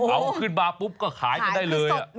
เอาขึ้นมาปุ๊บก็ขายกันได้เลย